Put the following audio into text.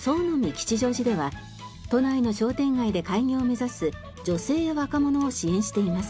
吉祥寺では都内の商店街で開業を目指す女性や若者を支援しています。